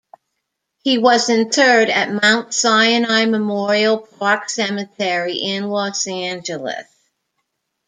He was interred at Mount Sinai Memorial Park Cemetery in Los Angeles.